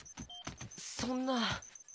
そんな。